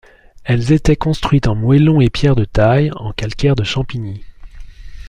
Elles étaient construites en moellons et pierres de taille, en calcaire de Champigny.